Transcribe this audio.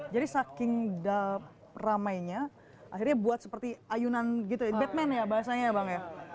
jadi saking ramainya akhirnya buat seperti ayunan gitu ya batman ya bahasanya bang